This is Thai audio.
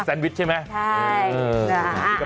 สั้นวิชใช่ไหม